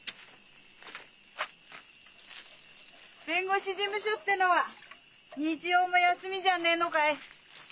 弁護士事務所ってのは日曜も休みじゃねえのかい？